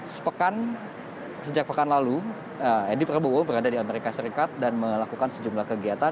sepekan sejak pekan lalu edy prabowo berada di as dan melakukan sejumlah kegiatan